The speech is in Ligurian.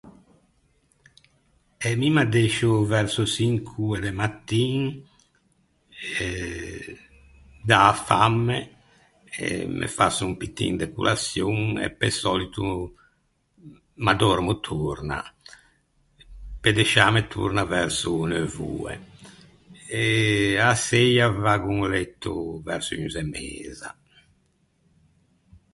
Eh mi m’addescio verso çinqu’oe de mattin, eh, da-a famme, me fasso un pittin de colaçion e pe sòlito m’addòrmo torna, pe desciâme torna verso neuv’oe. Eh a-a seia vaggo in letto verso unze e meza.